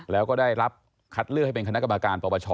แล้วก็ได้รับคัดเลือกให้เป็นคณะกรรมการปปช